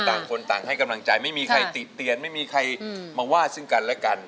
ต่างคนต่างให้กำลังใจไม่มีใครติเตียนไม่มีใครมาว่าซึ่งกันและกัน